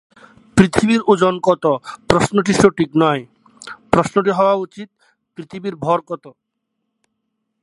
অংশগ্রহণ প্রত্যেক পুরুষের জন্য উন্মুক্ত ছিল সে হোক রাজা বা সাধারণ।